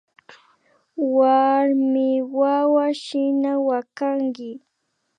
Warmiwawa shina wakanki